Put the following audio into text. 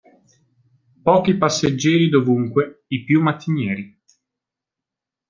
Pochi passeggeri dovunque, i più mattinieri.